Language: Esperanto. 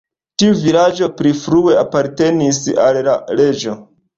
Tiu vilaĝo pli frue apartenis al la reĝo.